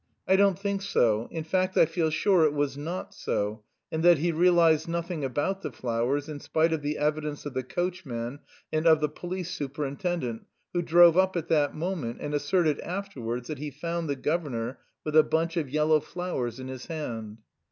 I don't think so; in fact I feel sure it was not so, and that he realised nothing about the flowers in spite of the evidence of the coachman and of the police superintendent, who drove up at that moment and asserted afterwards that he found the governor with a bunch of yellow flowers in his hand.